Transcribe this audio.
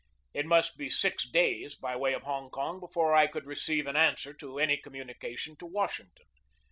It must be six days by way of Hong Kong before I could receive an answer to any communica tion to Washington.